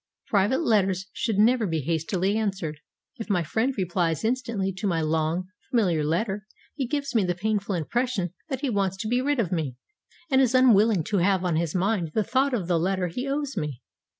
Private letters should never be hastily answered. If my friend replies instantly to my long, familiar letter, he gives me the painful impression that he wants to be rid of me, and is unwilling to have on his mind the thought of the letter he owes me.